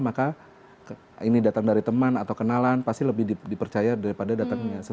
maka ini datang dari teman atau kenalan pasti lebih dipercaya daripada sesuatu yang datang dari luar